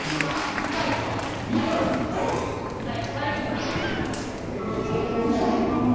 ２歳の彩浜というパンダです。